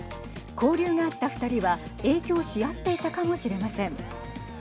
交流があった２人は影響し合っていたかもしれません。